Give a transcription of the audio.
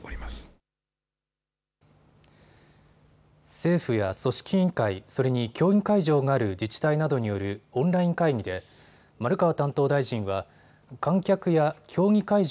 政府や組織委員会、それに競技会場がある自治体などによるオンライン会議で丸川担当大臣は観客や競技会場